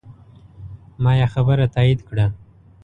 ما یې خبره تایید کړه.